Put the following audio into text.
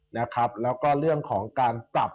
แล้วก็เรื่องของการปรับ